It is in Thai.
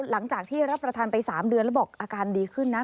หลังจากที่รับประทานไป๓เดือนแล้วบอกอาการดีขึ้นนะ